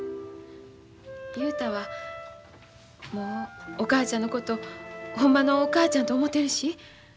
雄太はもうお母ちゃんのことをほんまのお母ちゃんと思てるし。